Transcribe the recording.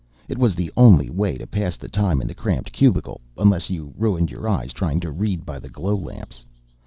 It was the only way to pass the time in the cramped cubicle, unless you ruined your eyes trying to read by the glow lamps.